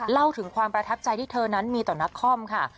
เล่าถึงความประทับใจที่เธอนั้นมีต่อนักคอมค่ะ